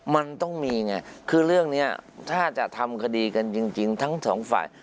มันต้องมีไงคือเรื่องนี้ถ้าจะทำคดีกันจริงทั้งสองฝ่าย